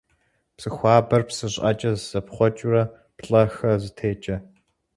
Псы хуабэр псы щӀыӀэкӀэ зэпхъуэкӀыурэ, плӀэ-хэ зытекӀэ.